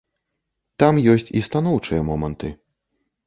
Там ёсць і станоўчыя моманты.